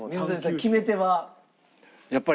決め手は？